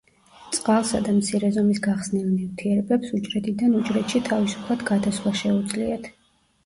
წყალსა და მცირე ზომის გახსნილ ნივთიერებებს უჯრედიდან უჯრედში თავისუფლად გადასვლა შეუძლიათ.